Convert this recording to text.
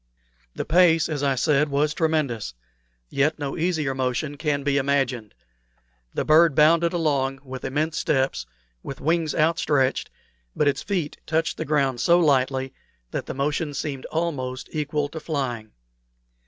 The pace, as I said, was tremendous, yet no easier motion can be imagined. The bird bounded along with immense leaps, with wings outstretched, but its feet touched the ground so lightly that the motion seemed almost equal to flying.